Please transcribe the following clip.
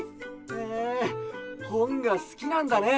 へえほんがすきなんだね。